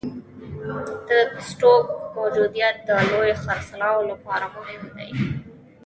د سټوک موجودیت د لوی خرڅلاو لپاره مهم دی.